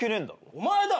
お前だろ！